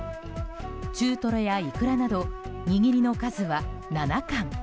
中トロやイクラなど握りの数は７貫。